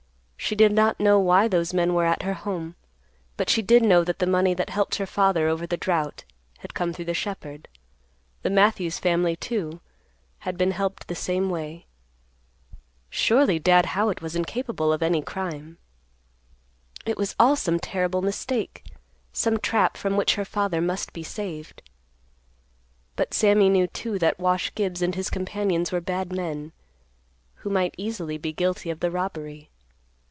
She did not know why those men were at her home. But she did know that the money that helped her father over the drought had come through the shepherd; the Matthews family, too, had been helped the same way. Surely Dad Howitt was incapable of any crime. It was all some terrible mistake; some trap from which her father must be saved. But Sammy knew, too, that Wash Gibbs and his companions were bad men, who might easily be guilty of the robbery.